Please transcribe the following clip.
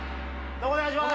お願いします！